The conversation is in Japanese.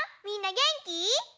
みんなげんき？